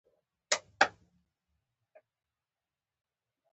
ځه، ویده شه انډیواله!